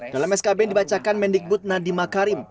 dalam skb dibacakan mendikbud nadima karim